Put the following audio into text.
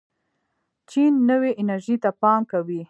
چین نوې انرژۍ ته پام کوي.